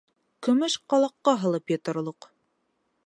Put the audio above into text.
Көмөш ҡалаҡҡа һалып йоторлоҡ!